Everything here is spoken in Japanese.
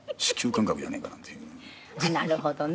なるほどね。